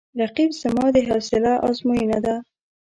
رقیب زما د حوصله آزموینه ده